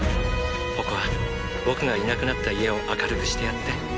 ポコア僕がいなくなった家を明るくしてやって。